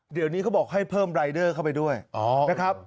เดี๋ยวนี้เขาบอกให้เพิ่มรายเดอร์เข้าไปด้วยนะครับ